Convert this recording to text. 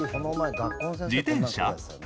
自転車？